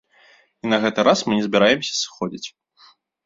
І на гэты раз мы не збіраемся сыходзіць!